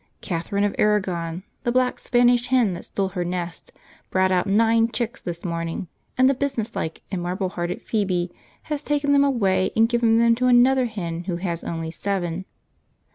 Catherine of Aragon, the black Spanish hen that stole her nest, brought out nine chicks this morning, and the business like and marble hearted Phoebe has taken them away and given them to another hen who has only seven.